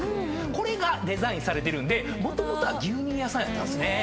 これがデザインされてるんでもともとは牛乳屋さんやったんですね。